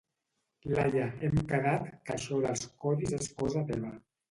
Laia, hem quedat que això dels codis és cosa teva.